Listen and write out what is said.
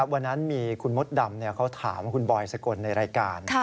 วันนั้นมีคุณมดดำเขาถามคุณบอยสกลในรายการ